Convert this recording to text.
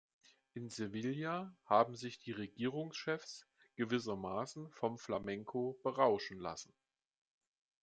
In Sevilla haben sich die Regierungschefs gewissermaßen vom Flamenco berauschen lassen.